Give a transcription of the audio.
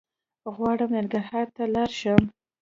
غواړم ننګرهار ته لاړ شم